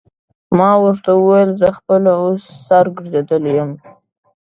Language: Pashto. ما ورته وویل: زه خپله اوس سر ګرځېدلی یم.